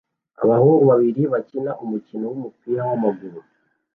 Abahungu babiri bakina umukino wumupira wamaguru